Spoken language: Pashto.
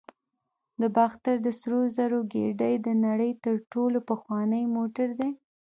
د باختر د سرو زرو ګېډۍ د نړۍ تر ټولو پخوانی موټر دی